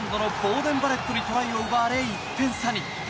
ニュージーランドのボーデン・バレットにトライを奪われ、１点差に。